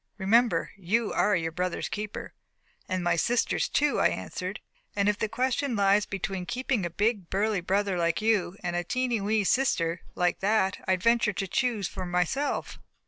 Remember, you are your brother's keeper." "And my sister's too," I answered. "And if the question lies between keeping a big, burly brother like you, and a tiny, wee sister like that, I venture to choose for myself."